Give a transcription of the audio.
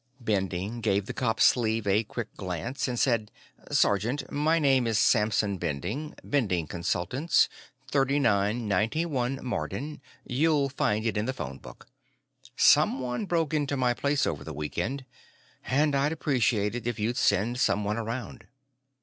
Bending gave the cop's sleeve a quick glance and said: "Sergeant, my name is Samson Bending. Bending Consultants, 3991 Marden you'll find it in the phone book. Someone broke into my place over the weekend, and I'd appreciate it if you'd send someone around."